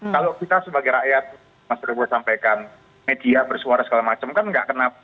kalau kita sebagai rakyat mas rewo sampaikan media bersuara segala macam kan tidak kena